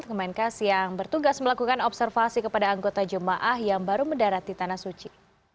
kemenkes yang bertugas melakukan observasi kepada anggota jemaah yang baru mendarat di tanah suci